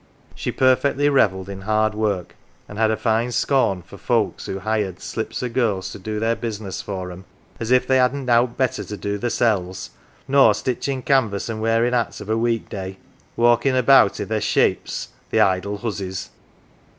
She perfectly revelled in hard work, and had a fine scorn for folks who hired " slips o 1 girls to do their business for ''em, as if they hadn't nowt better to do theii seFs nor stitchin 1 canvas, an" 1 wearin 1 hats of a week day walkin* about T their shapes, the idle huzzies